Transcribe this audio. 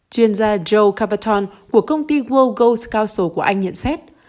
chuyên gia joe capitone của công ty world gold scouts của anh nhận xét